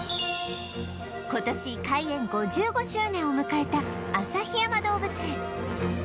今年開園５５周年を迎えた旭山動物園